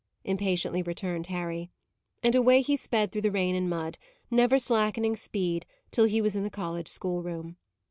impatiently returned Harry. And away he sped through the rain and mud, never slackening speed till he was in the college schoolroom.